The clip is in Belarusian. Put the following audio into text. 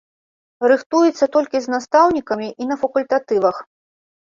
Рыхтуецца толькі з настаўнікамі і на факультатывах.